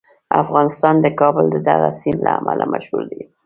افغانستان د کابل د دغه سیند له امله مشهور دی.